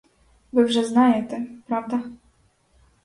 Ви вже знаєте, правда?